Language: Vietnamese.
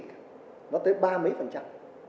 nó tới ba mấy phần trăm